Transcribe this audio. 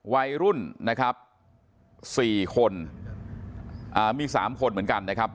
วัยรุ่นนะครับสี่คนอ่ามีสามคนเหมือนกันนะครับ